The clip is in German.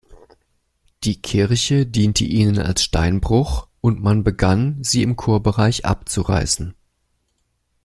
Die Kirche diente ihnen als Steinbruch und man begann, sie im Chorbereich abzureißen.